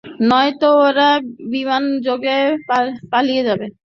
নয়তো ওরা বিমানযোগে পালিয়ে যাবে।